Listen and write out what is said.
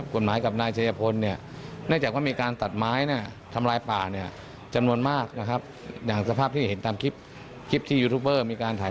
กฎหมายกับนายเจชาพนเนี่ยเนี่ยเวลาแต่ความพยายามที่เคยทำลายป่าจะนวนมากนะครับอย่างสภาพที่เห็นตามคลิปที่จุภัยดำไว้